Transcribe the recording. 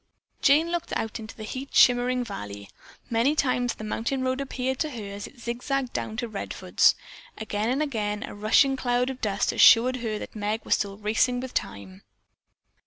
Jane looked out into the heat shimmering valley. Many times the mountain road reappeared to her as it zigzagged down to Redfords. Again and again a rushing cloud of dust assured her that Meg was still racing with time.